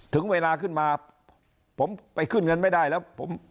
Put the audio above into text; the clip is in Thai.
ถึงเวลาขึ้นมาผมไปขึ้นเงินไม่ได้แล้วผม